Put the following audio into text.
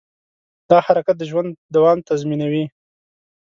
دا حرکت د ژوند دوام تضمینوي.